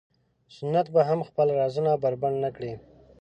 سنت به هم خپل رازونه بربنډ نه کړي.